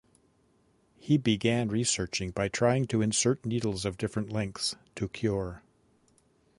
He began researching by trying to insert needles of different lengths to cure.